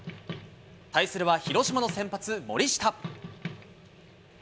対するは広島の先発、森下。